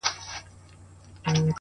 ستا د ږغ څــپــه ، څـپه ،څپــه نـه ده,